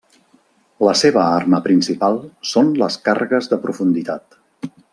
La seva arma principal són les càrregues de profunditat.